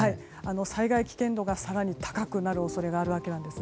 災害危険度が更に高くなる恐れがあるわけです。